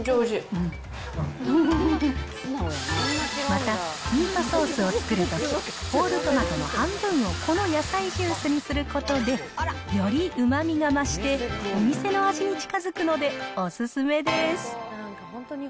また、ミートソースを作るとき、ホールトマトの半分をこの野菜ジュースにすることで、よりうまみが増して、お店の味に近づくので、お勧めです。